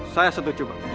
saya setuju pak